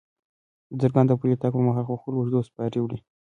بزګران د پلي تګ پر مهال په خپلو اوږو سپارې وړي.